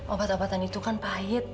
obat obatan itu kan pahit